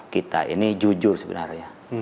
kita ini jujur sebenarnya